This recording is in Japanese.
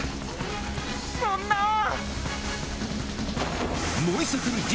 そんなぁ！